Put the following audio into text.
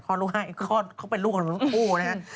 คลอดลูกให้อีกคลอดเขาเป็นลูกของคุณผู้นะครับ